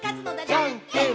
「じゃんけんぽん！！」